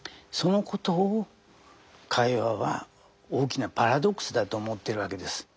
そのことをカイヨワは大きなパラドックスだと思っているわけです。